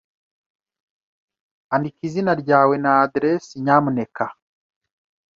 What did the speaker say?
Andika izina ryawe na aderesi, nyamuneka.